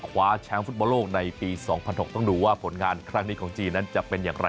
คว้าแชมป์ฟุตบอลโลกในปี๒๐๐๖ต้องดูว่าผลงานครั้งนี้ของจีนนั้นจะเป็นอย่างไร